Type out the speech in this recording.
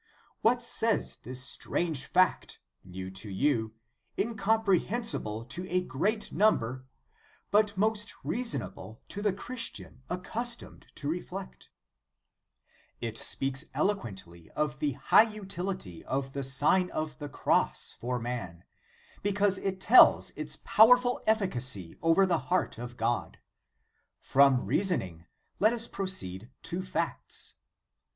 What says this strange fact, new to you, incomprehen sible to a great number, but most reasonable to the Christian accustomed to reflect? It 129 130 The Sign of the Cross speaks eloquently of the high utility of the Sign of the Cross for man, because it tells its powerful efficacy over the heart of God. From reasoning, let us proceed to facts.